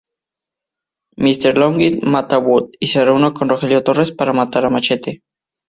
McLaughlin mata a Booth y se reúne con Rogelio Torres para matar a Machete.